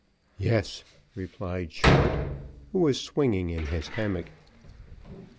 "Yes," replied Short, who was swinging in his hammock.